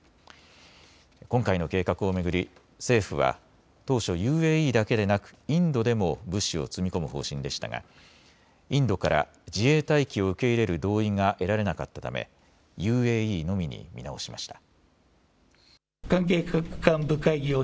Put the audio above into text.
今回の計画を巡り政府は当初、ＵＡＥだけでなくインドでも物資を積み込む方針でしたがインドから自衛隊機を受け入れる同意が得られなかったためＵＡＥのみに見直しました。